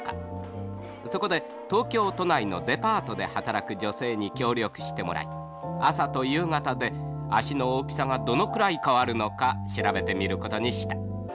そこで東京都内のデパートで働く女性に協力してもらい朝と夕方で足の大きさがどのくらい変わるのか調べてみることにした。